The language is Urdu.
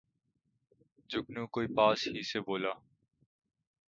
جگنو کوئی پاس ہی سے بولا